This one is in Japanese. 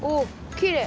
きれい！